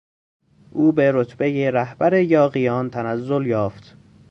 او به رتبهی رهبر یاغیان تنزل یافت.